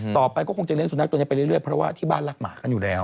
ต่อไปก็คงจะเลี้ยสุนัขตัวนี้ไปเรื่อยเพราะว่าที่บ้านรักหมากันอยู่แล้ว